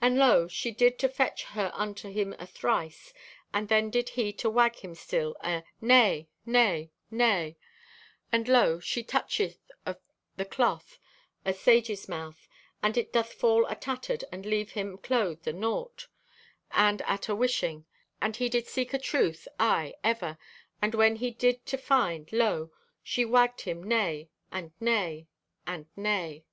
"And lo, she did to fetch her unto him athrice, and then did he to wag him still a 'Nay! Nay! Nay!' And lo, she toucheth o' the cloth o' sage's mouths and it doth fall atattered and leave him clothed o' naught, and at a wishing. And he did seek o' Truth, aye, ever, and when he did to find, lo, she wagged him nay, and nay, and nay."